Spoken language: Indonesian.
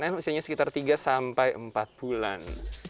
ini usianya sekitar tiga sampai empat bulan